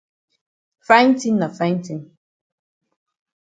Fine tin na fine tin.